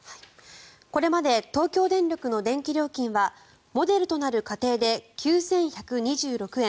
これまで東京電力の電気料金はモデルとなる家庭で９１２６円。